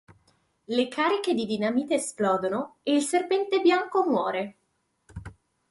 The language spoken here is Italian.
Le cariche di dinamite esplodono e il serpente bianco muore.